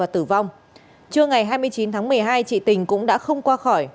trưa ngày hai mươi chín tháng một mươi hai chị tình cũng đã không qua khỏi